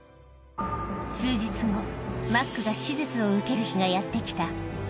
数日後、マックが手術を受ける日がやってきた。